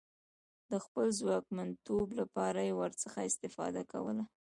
د خپل ځواکمنتوب لپاره یې ورڅخه استفاده کوله.